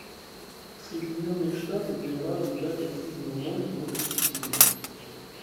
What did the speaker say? Соединенные Штаты были рады играть активную роль в этих усилиях.